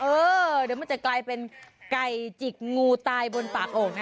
เออเดี๋ยวมันจะกลายเป็นไก่จิกงูตายบนปากโอ่งนะ